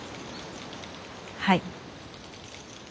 はい。